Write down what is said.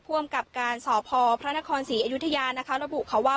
คว่ำกับการสอบพอพระนครศรีอยุธยาระบุเขาว่า